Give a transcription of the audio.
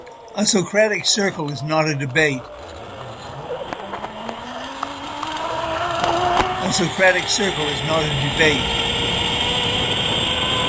A Socratic Circle is not a debate.